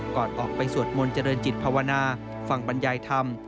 ก่อนออกไปสวดมนต์เจริญจิตภาวนาฟังบรรยายธรรม